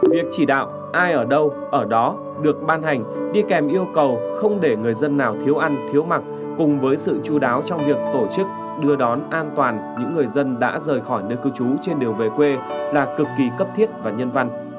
việc chỉ đạo ai ở đâu ở đó được ban hành đi kèm yêu cầu không để người dân nào thiếu ăn thiếu mặc cùng với sự chú đáo trong việc tổ chức đưa đón an toàn những người dân đã rời khỏi nơi cư trú trên đường về quê là cực kỳ cấp thiết và nhân văn